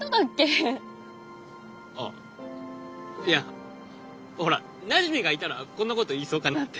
あいやほらなじみがいたらこんなこと言いそうかなって。